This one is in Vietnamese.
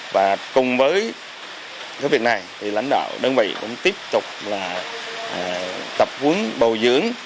và cùng với cái việc này thì lãnh đạo đơn vị cũng tiếp tục là tập quấn bầu dưỡng